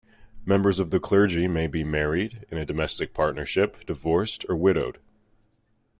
Members of the clergy may be married, in a domestic partnership, divorced, or widowed.